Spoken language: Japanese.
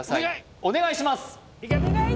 お願いします！